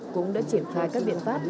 cũng đã triển khai các biện pháp